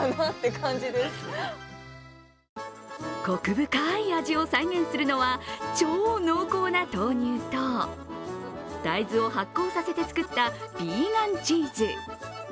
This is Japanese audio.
コク深い味を再現するのは超濃厚な豆乳と大豆を発酵させて作ったビーガンチーズ。